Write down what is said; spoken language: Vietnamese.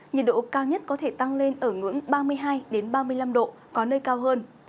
nhiệt độ cao nhất có thể tăng lên ở ngưỡng ba mươi hai ba mươi năm độ có nơi cao hơn